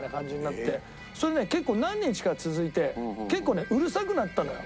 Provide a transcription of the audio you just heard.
それね結構何日か続いて結構ねうるさくなったのよ。